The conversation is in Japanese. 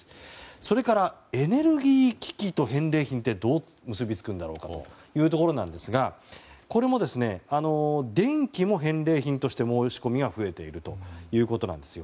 それから、エネルギー危機と返礼品ってどう結びつくんだろうというところなんですが電気も返礼品として申し込みが増えているということなんですよ。